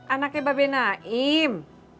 anaknya babe naim